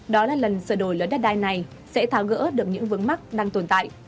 đó là lần sửa đổi lớn đất đai này sẽ tháo gỡ được những vướng mắt đang tồn tại